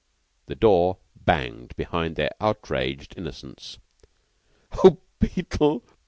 The door banged behind their outraged innocence. "Oh, Beetle!